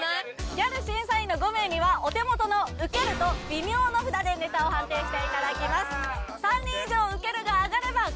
ギャル審査員の５名にはお手元の「ウケる」と「ビミョー」の札でネタを判定していただきます